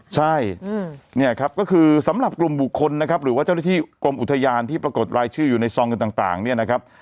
ใช่เนี่ยครับก็คือสำหรับกลุ่มบุคคลนะครับหรือว่าเจ้าหน้าที่กรมอุทยานที่ปรากฏรายชื่ออยู่ในซองเงินต่างเนี่ยนะครับ